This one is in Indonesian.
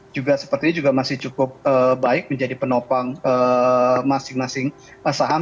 juga sepertinya juga masih cukup baik menjadi penopang masing masing saham